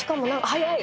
早い。